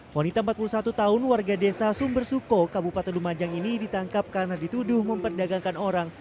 wanita empat puluh satu tahun warga desa sumber suko kabupaten lumajang ini ditangkap karena dituduh memperdagangkan orang